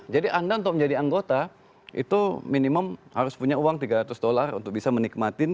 jadi anda untuk menjadi anggota itu minimum harus punya uang tiga ratus dollar untuk bisa menikmati